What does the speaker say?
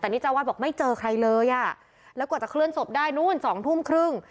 แต่นี่เจ้าวาดบอกไม่เจอใครเลยอ่ะแล้วกว่าจะเคลื่อนศพได้นู่นสองทุ่มครึ่ง